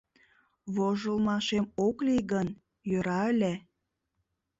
Вожылмашем ок лий гын, йӧра ыле.